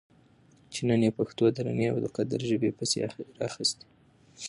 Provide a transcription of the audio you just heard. چې نن یې پښتو درنې او د قدر ژبې پسې راخیستې